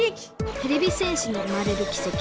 てれび戦士に生まれるきせき